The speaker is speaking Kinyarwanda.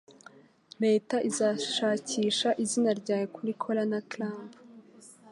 Leta izashakisha izina ryawe kuri cola na clamp